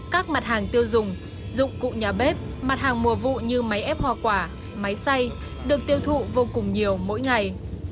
các mặt hàng tiêu dùng dụng cụ nhà bếp mặt hàng mùa vụ như máy ép hoa quả máy xay được tiêu thụ vô cùng nhiều mỗi ngày